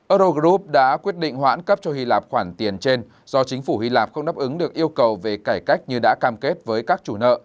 eurogroup đã quyết định hoãn cấp cho hy lạp khoản tiền trên do chính phủ hy lạp không đáp ứng được yêu cầu về cải cách như đã cam kết với các chủ nợ